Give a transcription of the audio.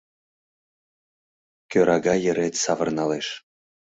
Кӧрага йырет савырналеш.